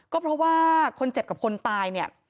ก็เพราะว่าคนเจ็บกับคนตายเนี่ย